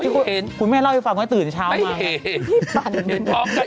คุณแม่ล่าวิฟังตื่นเช้ามาก